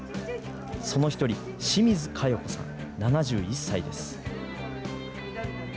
その一人、清水佳代子さん７１歳です。